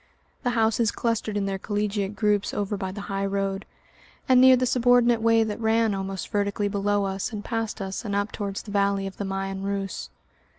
The houses clustered in their collegiate groups over by the high road, and near the subordinate way that ran almost vertically below us and past us and up towards the valley of the Meien Reuss.